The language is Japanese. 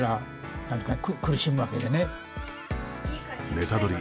ネタドリ！